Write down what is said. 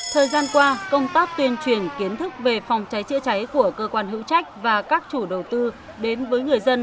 thời gian qua công tác tuyên truyền kiến thức về phòng cháy chữa cháy của cơ quan hữu trách và các chủ đầu tư đến với người dân